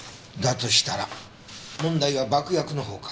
としたら問題は爆薬の方か。